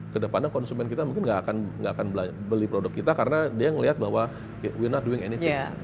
ke depannya konsumen kita mungkin nggak akan beli produk kita karena dia ngelihat bahwa we're not doing anything